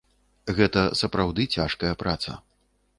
Гэта сапраўды цяжкая праца.